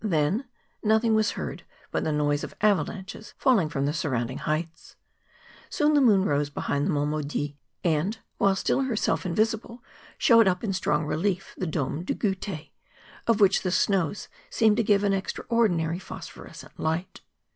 Then nothing was heard but the noise of avalanches falling from the surrounding heights. Soon the moon rose behind the Monts Maudits, and, while still herself invisible, showed up in strong relief the Dome de Groute, of which the snows seemed to give an extra¬ ordinary phosphorescent light.